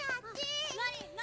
何？